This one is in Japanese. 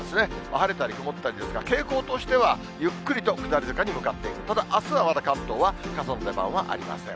晴れたり曇ったりですが、傾向としては、ゆっくりと下り坂に向かっていく、ただ、あすはまだ関東は傘の出番はありません。